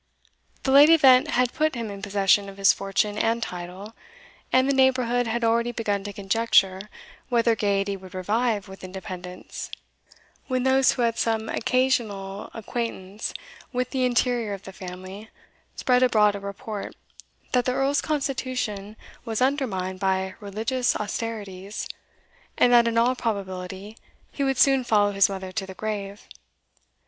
The late event had put him in possession of his fortune and title, and the neighbourhood had already begun to conjecture whether gaiety would revive with independence, when those who had some occasional acquaintance with the interior of the family spread abroad a report, that the Earl's constitution was undermined by religious austerities, and that in all probability he would soon follow his mother to the grave.